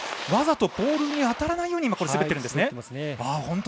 わざとポールに当たらないように滑っているんですね。